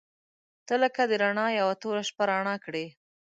• ته لکه د رڼا یوه توره شپه رڼا کړې.